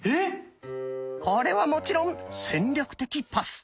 これはもちろん戦略的パス。